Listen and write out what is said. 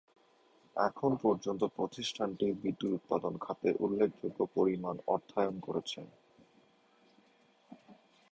এখন পর্যন্ত প্রতিষ্ঠানটি বিদ্যুৎ উৎপাদন খাতে উল্লেখযোগ্য পরিমাণ অর্থায়ন করেছে।